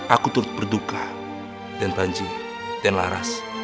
aku tetap berduka dan pancing dan laras